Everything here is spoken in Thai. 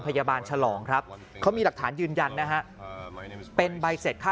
ฉลองครับเขามีหลักฐานยืนยันนะฮะเป็นใบเสร็จค่า